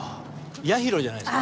八宏じゃないですか？